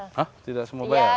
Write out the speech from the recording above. hah tidak semua bayar